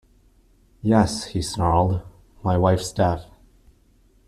"Yes," he snarled, "my wife's deaf."